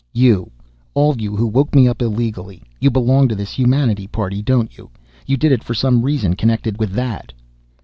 "You all you who woke me up illegally you belong to this Humanity Party, don't you? You did it for some reason connected with that?"